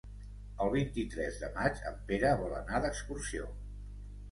El vint-i-tres de maig en Pere vol anar d'excursió.